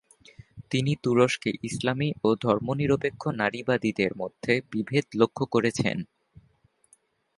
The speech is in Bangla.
তিনি তুরস্কে ইসলামী ও ধর্মনিরপেক্ষ নারীবাদীদের মধ্যে বিভেদ লক্ষ্য করেছেন।